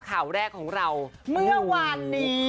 ข่าวแรกของเราเมื่อวานนี้